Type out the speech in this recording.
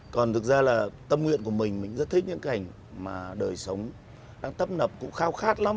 còn thực ra là tâm nguyện của mình mình rất thích những cái ảnh mà đời sống đang tấp nập cũng khao khát lắm